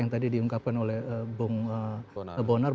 yang tadi diungkapkan oleh bung bonar